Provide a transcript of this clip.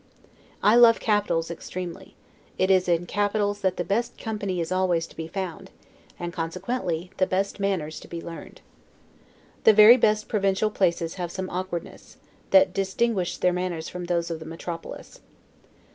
I love capitals extremely; it is in capitals that the best company is always to be found; and consequently, the best manners to be learned. The very best provincial places have some awkwardness, that distinguish their manners from those of the metropolis.